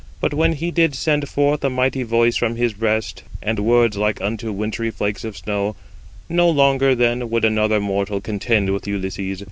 But when he did send forth the mighty voice from his breast, and words like unto wintry flakes of snow, no longer then would another mortal contend with Ulysses.